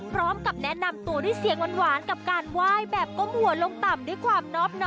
พร้อมกับแนะนำตัวด้วยเสียงหวานกับการไหว้แบบก้มหัวลงต่ำด้วยความนอบนอ